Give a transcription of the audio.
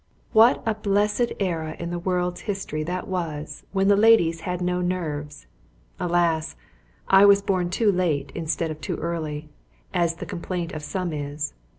WHAT a blessed era in the world's history that was when the ladies had no nerves! Alas! I was born too late instead of too early, as the complaint of some is.